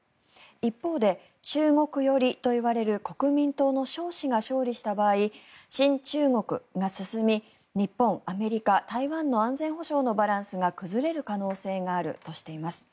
一方で中国寄りといわれる国民党のショウ氏が勝利した場合、親中国が進み日本、アメリカ、台湾の安全保障のバランスが崩れる可能性があるとしています。